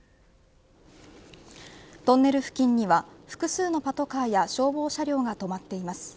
トンネル付近には複数のパトカーや消防車両が止まっています。